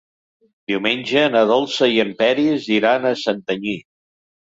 Diumenge na Dolça i en Peris iran a Santanyí.